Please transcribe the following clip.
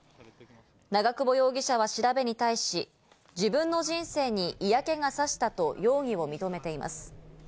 長久保容疑者は調べに対し、自分の人生に嫌気がさしたと容疑を認めています。